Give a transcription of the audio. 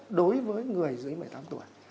cao nhất đối với người dưới một mươi tám tuổi